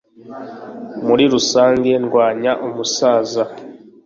muri rusange ndwanya umusaza